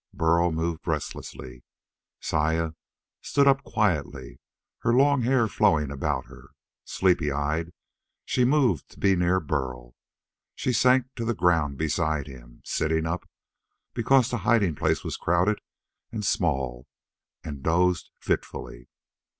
Burl moved restlessly. Saya stood up quietly, her long hair flowing about her. Sleepy eyed, she moved to be near Burl. She sank to the ground beside him, sitting up because the hiding place was crowded and small and dozed fitfully.